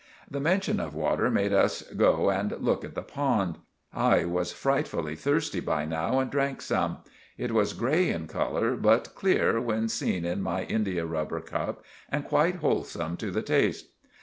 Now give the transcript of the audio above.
The menshun of water made us go and look at the pond. I was fritefully thirsty by now and drank some. It was grey in colour but clear when seen in my india rubber cup and quite holesome to the taste.